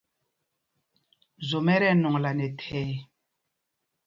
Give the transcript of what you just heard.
Zwom ɛ tí ɛnɔŋla nɛ thɛɛ.